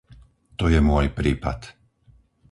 To je môj prípad.